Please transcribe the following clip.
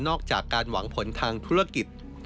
จากการหวังผลทางธุรกิจ